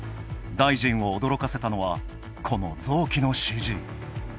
大臣を驚かせたのはこの臓器のＣＧ。